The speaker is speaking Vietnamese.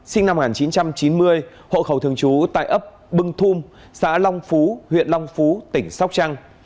sinh năm một nghìn chín trăm chín mươi hộ khẩu thường trú tại ấp bưng thung xã long phú huyện long phú tỉnh sóc trăng